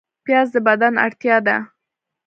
پیاز د بدن اړتیا ده